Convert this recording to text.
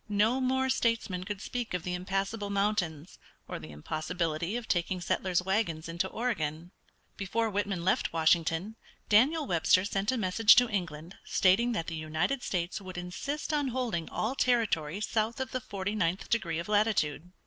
No more statesmen could speak of the impassable mountains or the impossibility of taking settlers' wagons into Oregon. Before Whitman left Washington Daniel Webster sent a message to England stating that the United States would insist on holding all territory south of the forty ninth degree of latitude.